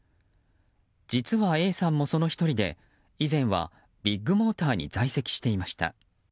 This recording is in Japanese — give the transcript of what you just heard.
実はＡさんも、その１人で以前はビッグモーターに在籍していました。